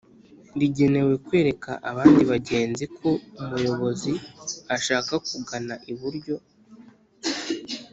rigenewe kwereka abandi bagenzi ko umuyobozi ashaka kugana iburyo